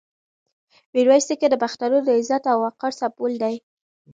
میرویس نیکه د پښتنو د عزت او وقار سمبول دی.